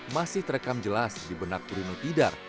masih terekam jelas di benak yeti winaka tirinay